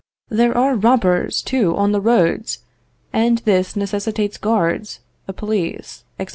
There are robbers, too, on the roads, and this necessitates guards, a police, etc.